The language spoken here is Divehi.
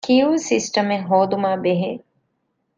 ކިޔޫ ސިސްޓަމެއް ހޯދުމާބެހޭ